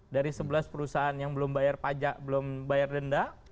dari sebelas perusahaan yang belum bayar pajak belum bayar denda